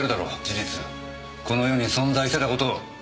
事実この世に存在してた事を！